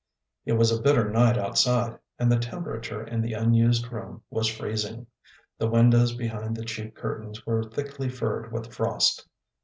It was a bitter night outside, and the temperature in the unused room was freezing. The windows behind the cheap curtains were thickly furred with frost.